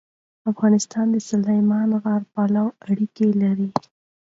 افغانستان د سلیمان غر پلوه اړیکې لري.